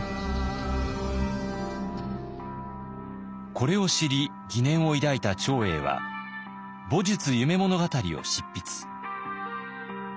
これを知り疑念を抱いた長英は「戊戌夢物語」を執筆。